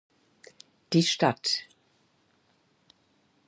Die Stadt